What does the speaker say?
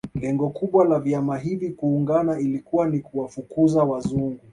Lengo kubwa la vyama hivi kuungana ilikuwa ni kuwafukuza Wazungu